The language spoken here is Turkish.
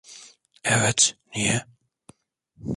Evet, niye?